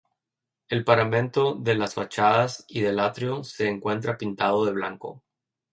El paramento de las fachadas y del atrio se encuentra pintado de blanco.